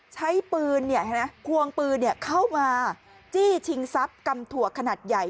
ใช้ปืนควงปืนเข้ามาจี้ชิงทรัพย์กำถั่วขนาดใหญ่